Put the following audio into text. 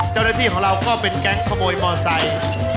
เจ้าหน้าที่ของเราก็เป็นแก๊งขโมยมอไซค์